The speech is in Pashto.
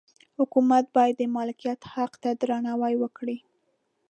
حکومت باید د مالکیت حق ته درناوی وکړي.